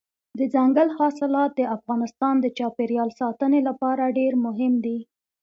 دځنګل حاصلات د افغانستان د چاپیریال ساتنې لپاره ډېر مهم دي.